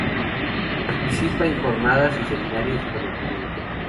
Participa en jornadas y seminarios como ponente.